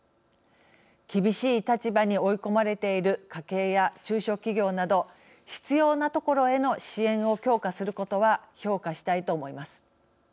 厳しい立場に追い込まれている家計や中小企業など必要なところへの支援を強化することは評価したいと思います。